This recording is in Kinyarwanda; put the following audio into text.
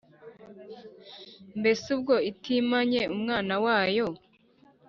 Mbese ubwo itimanye umwana wayo,